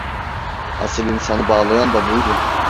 Asıl insanı bağlayan da buydu.